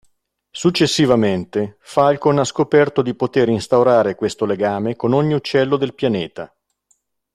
Successivamente, Falcon ha scoperto di poter instaurare questo legame con ogni uccello del pianeta.